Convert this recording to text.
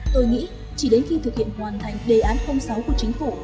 tôi nghĩ chỉ đến khi thực hiện hoàn thành đề án sáu của chính phủ